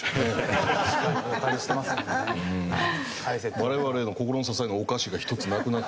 我々の心の支えのお菓子が１つなくなってしまう。